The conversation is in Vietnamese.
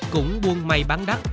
cũng buôn may bán đắt